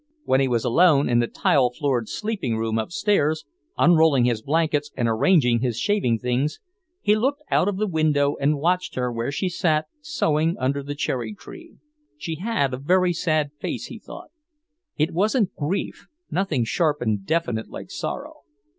When he was alone in the tile floored sleeping room upstairs, unrolling his blankets and arranging his shaving things, he looked out of the window and watched her where she sat sewing under the cherry tree. She had a very sad face, he thought; it wasn't grief, nothing sharp and definite like sorrow.